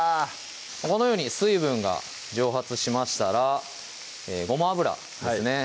このように水分が蒸発しましたらごま油ですね